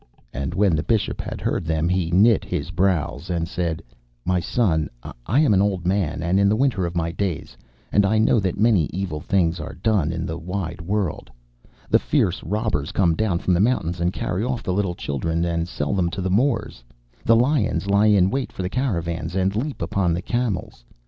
And when the Bishop had heard them he knit his brows, and said, 'My son, I am an old man, and in the winter of my days, and I know that many evil things are done in the wide world. The fierce robbers come down from the mountains, and carry off the little children, and sell them to the Moors. The lions lie in wait for the caravans, and leap upon the camels.